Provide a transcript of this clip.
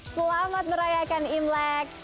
selamat merayakan imlek